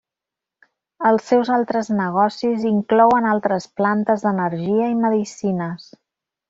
Els seus altres negocis inclouen altres plantes d'energia i medicines.